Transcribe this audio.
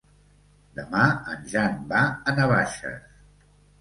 Demà en Jan va a Navaixes.